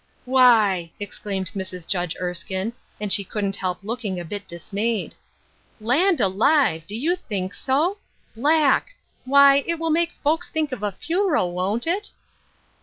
" Why I " exclaimed Mrs. Judge Erskine, and she couldn't help looking a bit dismayed. " Land alive I do you think so ? Black ! why it will make folks think of a funeral, won't it?